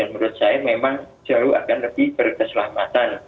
menurut saya memang jauh akan lebih berkeselamatan